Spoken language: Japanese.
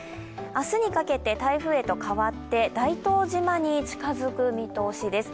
明日にかけて台風へと変わって、大東島に近づく見通しです。